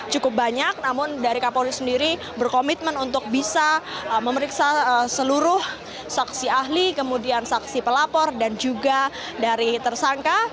cukup banyak namun dari kapolri sendiri berkomitmen untuk bisa memeriksa seluruh saksi ahli kemudian saksi pelapor dan juga dari tersangka